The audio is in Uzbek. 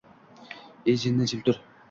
ey jinni jim tur.